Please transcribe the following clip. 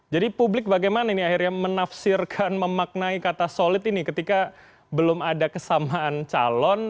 jadi publik bagaimana ini akhirnya menafsirkan memaknai kata solid ini ketika belum ada kesamaan calon